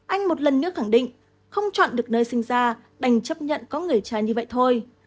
anh một lần nữa khẳng định không chọn được nơi sinh ra đành chấp nhận có người cha như vậy thôi